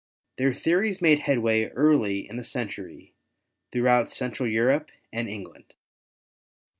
Their theories made headway early in the century throughout Central Europe and England.